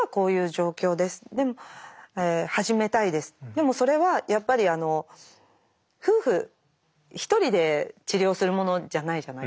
でもそれはやっぱり夫婦一人で治療するものじゃないじゃないですか。